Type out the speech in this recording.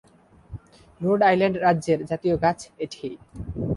Road Island রাজ্যের জাতীয় গাছ এটি।